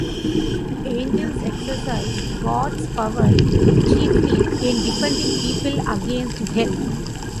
Angels exercise God's power chiefly in defending people against hell.